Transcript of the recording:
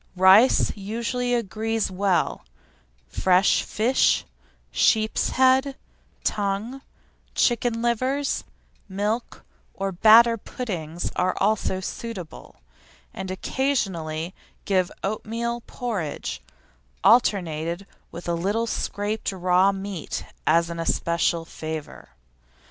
Rice usually agrees well; fresh fish, sheep's head, tongue, chicken livers, milk or batter puddings are also suitable; and occasionally give oatmeal porridge, alternated with a little scraped raw meat as an especial favour.